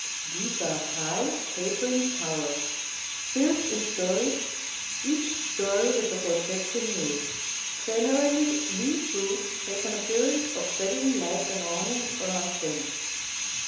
These are high, tapering towers, built in stories, each story with a projecting roof. Generally these roofs have an appearance of sagging like an awning or a tent.